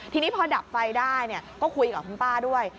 ทีนี้พอดับไฟได้ก็คุยกับคุณป้าด้วย